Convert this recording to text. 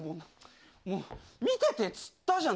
もう、見ててっつったじゃん。